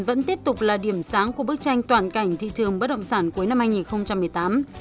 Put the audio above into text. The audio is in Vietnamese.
vẫn tiếp tục là điểm sáng của bức tranh toàn cảnh thị trường bất động sản cuối năm hai nghìn một mươi tám